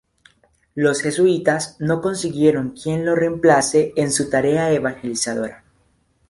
Los jesuitas no consiguieron quien lo reemplace en su tarea evangelizadora.